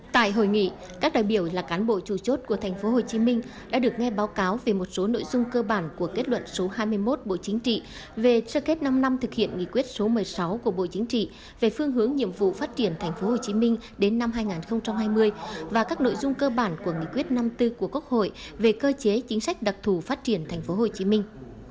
tại hội nghị các đại biểu là cán bộ chủ chốt của tp hcm đã được nghe báo cáo về một số nội dung cơ bản của kết luận số hai mươi một bộ chính trị về sơ kết năm năm thực hiện nghị quyết số một mươi sáu của bộ chính trị về phương hướng nhiệm vụ phát triển thành phố hồ chí minh đến năm hai nghìn hai mươi và các nội dung cơ bản của nghị quyết năm mươi bốn của quốc hội về cơ chế chính sách đặc thù phát triển thành phố hồ chí minh